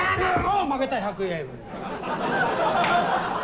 負けた、１００円。